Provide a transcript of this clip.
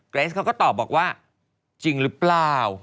เกรสเขาก็ตอบบอกว่าจริงหรือเปล่า